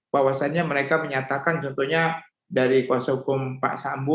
bahwasannya mereka menyatakan contohnya dari kuasa hukum pak sambo